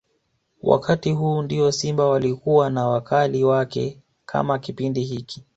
Wakati huu ndio Simba walikuwa na wakali wake kama Kipindi hiki